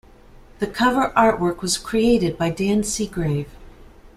The cover artwork was created by Dan Seagrave.